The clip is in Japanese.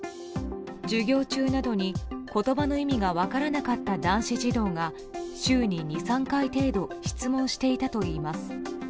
授業中などに、言葉の意味が分からなかった男子児童が週に２３回程度質問していたといいます。